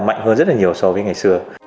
mạnh hơn rất là nhiều so với ngày xưa